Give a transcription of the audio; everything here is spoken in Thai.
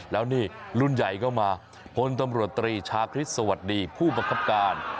แล้วนี่รุ่นใหญ่ก็มาพลตำรวจตรีชาคริสต์สวัสดีผู้บังคับการ